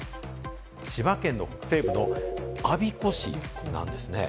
千葉県の西部、我孫子市なんですね。